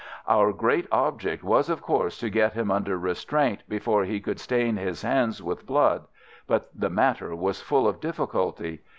"Our great object was, of course, to get him under restraint before he could stain his hands with blood, but the matter was full of difficulty.